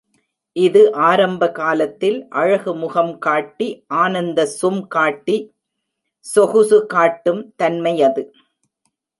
இது ஆரம்பகாலத்தில் அழகு முகம் காட்டி, ஆனந்த சும் காட்டி, சொகுசு காட்டும் தன்மையது.